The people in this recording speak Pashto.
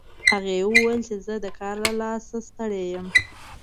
هغې وویل چې زه د کار له لاسه ستړي یم